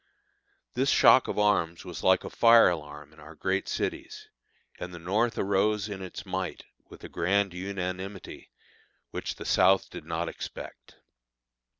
This shock of arms was like a fire alarm in our great cities, and the North arose in its might with a grand unanimity which the South did not expect.